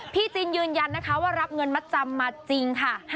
จินยืนยันนะคะว่ารับเงินมัดจำมาจริงค่ะ